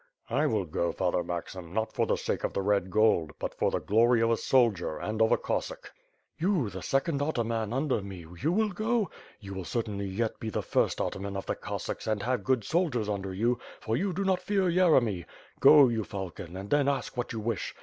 "I will go, Father Maxim, not for the sake of the red gold, but for the glory of a soldier and of a Cossack." "You, the second Ataman under me, you will go? You will certainly yet be the first ataman of the Cossacks and have good soldiers under you, for you do not fear Yeremy. Go, you falcon, and then ask what you wish.